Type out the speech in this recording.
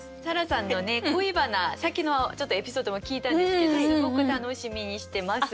さっきのちょっとエピソードも聞いたんですけどすごく楽しみにしてます。